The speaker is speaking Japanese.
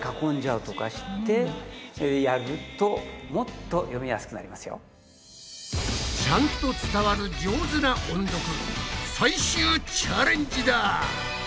ここで古川さんからちゃんと伝わる上手な音読最終チャレンジだ！